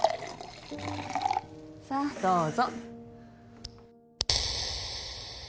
さあどうぞ。